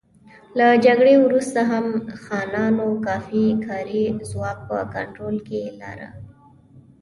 له جګړې وروسته هم خانانو کافي کاري ځواک په کنټرول کې لاره.